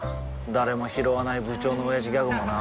誰もひろわない部長のオヤジギャグもな